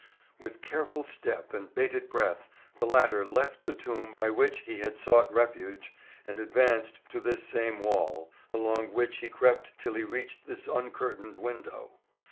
With careful step and bated breath, the latter left the tomb by which he had sought refuge, and advanced to this same wall, along which he crept till he reached this uncurtained window.